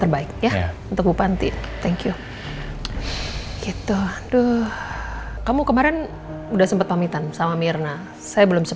terbaik ya untuk bupati thank you gitu aduh kamu kemarin udah sempat pamitan sama mirna saya belum